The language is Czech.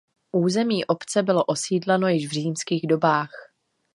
Území obce bylo osídleno již v římských dobách.